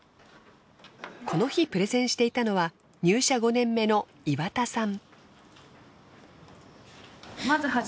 この日プレゼンしていたのは入社５年目の岩田さん。